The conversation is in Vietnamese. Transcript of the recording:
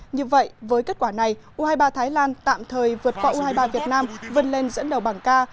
như vậy với kết quả này u hai mươi ba thái lan tạm thời vượt qua u hai mươi ba việt nam vươn lên dẫn đầu bảng ca